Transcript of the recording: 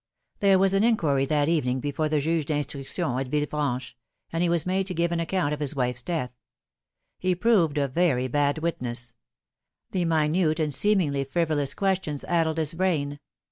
There was an inqniry that evening before the Juge d'Instruction at Villefranche, and he was made to give an account of his wife's death. He proved a very bad witness. r i he minute and seemingly frivolous questions addled his brain.